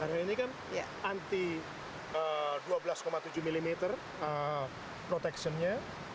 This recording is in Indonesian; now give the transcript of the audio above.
karena ini kan anti dua belas tujuh mm protection nya